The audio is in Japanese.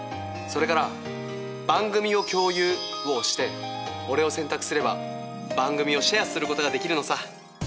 それから「番組を共有」を押して俺を選択すれば番組をシェアすることができるのさ。